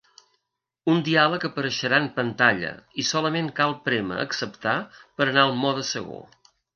Un diàleg apareixerà en pantalla, i solament cal prémer Acceptar per anar al mode segur.